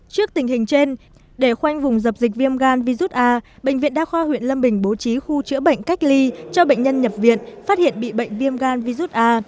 trước tình hình trên để khoanh vùng dập dịch viêm gan virus a bệnh viện đa khoa huyện lâm bình bố trí khu chữa bệnh cách ly cho bệnh nhân nhập viện phát hiện bị bệnh viêm gan virus a